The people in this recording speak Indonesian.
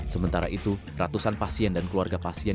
sementara itu ratusan pasien dan keluarga pasien